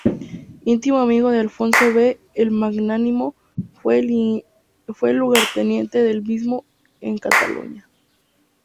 Íntimo amigo de Alfonso V El Magnánimo, fue lugarteniente del mismo en Cataluña.